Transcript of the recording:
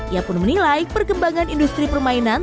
ia pun menilai perkembangan industri permainan